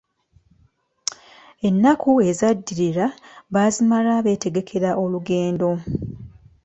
Enaku ezaddirira, baazimala betegekera olugendo.